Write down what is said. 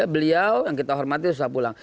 beliau yang kita hormati susah pulang